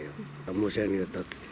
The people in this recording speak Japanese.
申し訳なかったって。